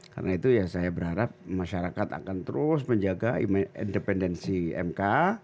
karena itu ya saya berharap masyarakat akan terus menjaga independensi mk